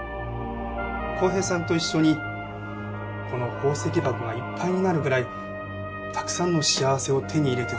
浩平さんと一緒にこの宝石箱がいっぱいになるぐらいたくさんの幸せを手に入れてほしいと。